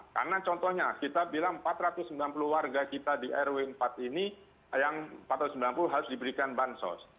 karena contohnya kita bilang empat ratus sembilan puluh warga kita di rw empat ini yang empat ratus sembilan puluh harus diberikan bansos